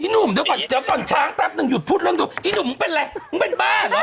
ไอ้หนุ่มเดี๋ยวก่อนช้างแป๊บนึงหยุดพูดเรื่องดูไอ้หนุ่มมันเป็นไรมันเป็นบ้าเหรอ